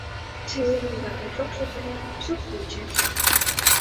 «Чеверын, вате, шокшо пыжаш, суртпече!